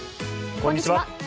こんにちは。